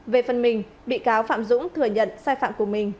về phần mình bị cáo phạm dũng thừa nhận sai phạm của mình